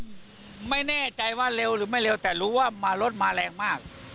ก็ไม่แน่ใจว่าเร็วหรือไม่เร็วแต่รู้ว่ามารถมาแรงมาก